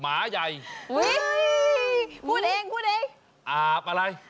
หม้ายพูดเองพูดเองอาบอะไร